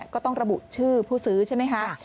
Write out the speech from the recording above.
ก็ต้องระบุชื่อผู้ซื้อใช่ไหมคะ